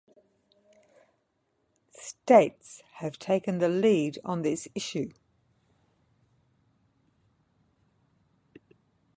States have taken the lead on this issue.